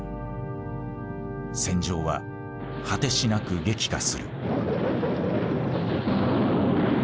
戦場は果てしなく激化する。